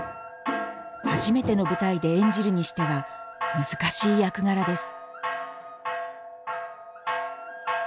初めての舞台で演じるにしては難しい役柄です。